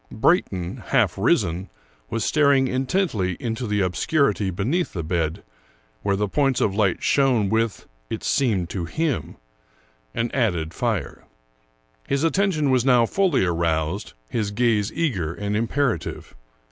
Brayton, half risen, was staring in tently into the obscurity beneath the bed, where the points of light shone with, it seemed to him, an added fire. His attention was now fully aroused, his gaze eager and im perative.